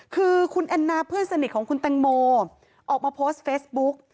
คือคุณแอนนาเพื่อนสนิทของคุณแตงโมออกมาโพสต์เฟซบุ๊ก